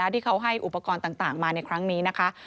ที่เขาให้อุปกรณ์ต่างมาในครั้งนี้นะคะ